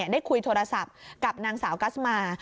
ได้คุยโทรศัพท์กับนางสาวกัสมา